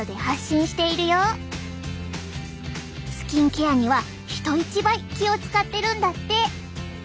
スキンケアには人一倍気を遣ってるんだって。